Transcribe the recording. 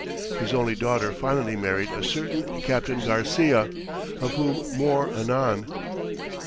His only daughter finally married a certain Captain Garcia, of whom more anon.